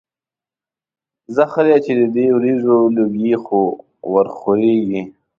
ځه ښه دی چې د دې وریجو لوګي خو ورخوريږي.